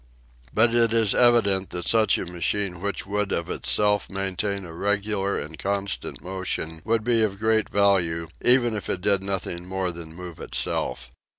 But it is evident that a machine which would of itself maintain a regular and constant motion would be of great value, even if it did nothing more than move itself.